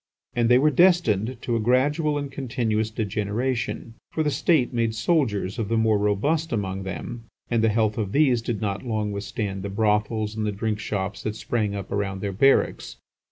And they were destined to a gradual and continuous degeneration, for the State made soldiers of the more robust among them, and the health of these did not long withstand the brothels and the drink shops that sprang up around their barracks.